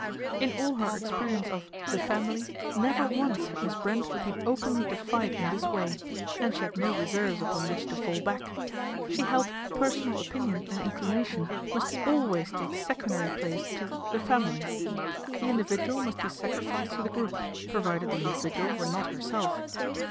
In all her experience of " the Family " never once had Miss Brent been openly defied in this way, and she had no reserves upon which to fall back. She held personal opinion and inclination must always take secondary place to " the Family." The individual must be sacrificed to the group, provided the individual were not her self.